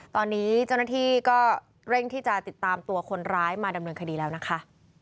ตอนนี้เจ้าหน้าที่ก็เร่งที่จะติดตามตัวคนร้ายมาดำเนินคดีแล้วนะคะ